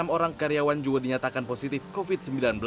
enam orang karyawan juga dinyatakan positif covid sembilan belas